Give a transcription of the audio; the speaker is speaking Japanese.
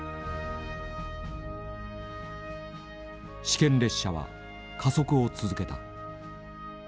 試験列車は加速を続けた。